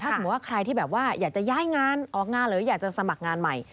สมมุติว่าใครที่แบบว่าอยากจะย้ายงานออกงานหรืออยากจะสมัครงานใหม่